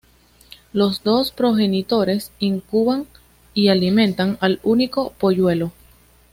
Los dos progenitores incuban y alimentan al único polluelo.